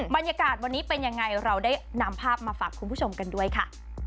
บรรยากาศวันนี้เป็นยังไงเราได้นำภาพมาฝากคุณผู้ชมกันด้วยค่ะ